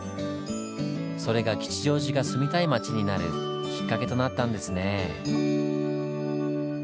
それが吉祥寺が「住みたい街」になるきっかけとなったんですねぇ。